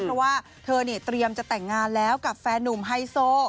เพราะว่าเธอเนี่ยเตรียมจะแต่งงานแล้วกับแฟนนุ่มไฮโซ